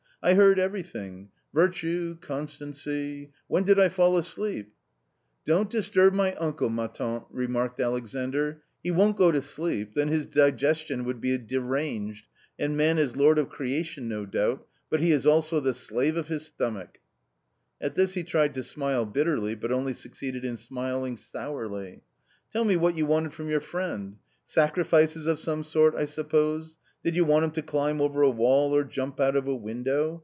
" I heard everything —' virtue, constancy ;' when did I fall asleep ?"" Don't disturb my uncle, ma tante? remarked Alexandr ; "he won't go to sleep, then his digestion will be deranged, and man is lord of creation, no doubt, but he is also the slave of his stomach. 1 ' At this he tried to smile bitterly, but only succeeded in smiling sourly. " Tell me what you wanted from your friend ? sacrifices of some sort, I suppose ; did you want him to climb over a wall or jump out of a window